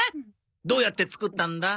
どうやって作ったんだ？